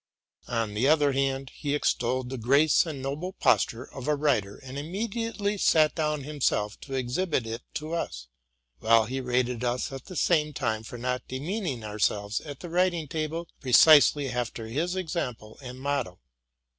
On the other hand, he ex tolled the grace and noble posture of a writer, and immedi ately sat down himself to exhibit it to us; while he rated us at the same time for not demeaning ourselves at the writing table precisely after his example and model.